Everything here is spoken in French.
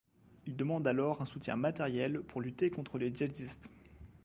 Il demande alors un soutien matériel pour lutter contre les djihadistes.